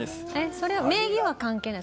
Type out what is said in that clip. それは名義は関係ない？